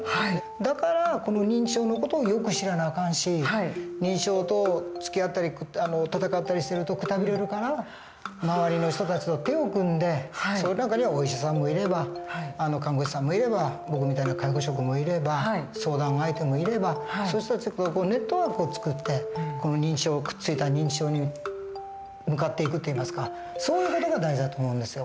だからこの認知症の事をよく知らなあかんし認知症とつきあったり闘ったりしてるとくたびれるから周りの人たちと手を組んでその中にはお医者さんもいれば看護師さんもいれば僕みたいな介護職もいれば相談相手もいればそういう人たちとネットワークを作ってこのくっついた認知症に向かっていくといいますかそういう事が大事だと思うんですよ。